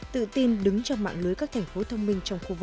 tự tin đứng trong mạng lưới các thành phố thông minh